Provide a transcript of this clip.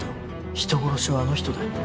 人殺しはあの人だよ